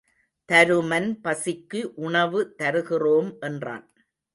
தருமன் பசிக்கு உணவு தருகிறோம் என்றான்.